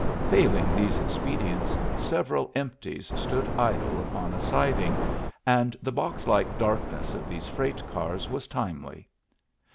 Failing these expedients, several empties stood idle upon a siding, and the box like darkness of these freight cars was timely.